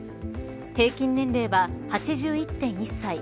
平均年齢は８１．１歳。